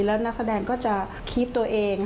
แล้วนักแสดงก็จะคิดตัวเอง